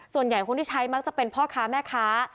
ส่วนใหญ่คนที่ใช้มักจะเป็นพ่อค้าแม่ค้า